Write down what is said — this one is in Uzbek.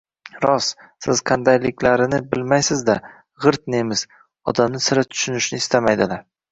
— Rost, siz qandayliklarini bilmaysiz-da. G’irt nemis. Odamni sira tushunishni istamaydilar.